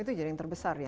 itu jadi yang terbesar ya